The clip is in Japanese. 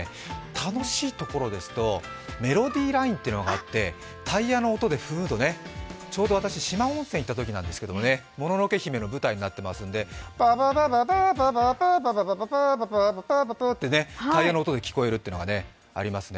楽しいところですとメロディーラインっていうのがあってタイヤの音で、ちょうど私、四万温泉へ行ったときなんですけど「もののけ姫」の舞台になっていますんで、バババババーってねタイヤの音で聞こえるというのがありますね。